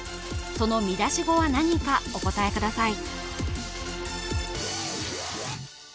その見出し語は何かお答えください